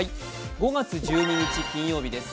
５月１２日、金曜日です。